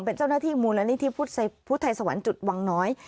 เป็นเจ้าหน้าที่มูลนิธิพุทธไทยสวรรค์จุดวังน้อย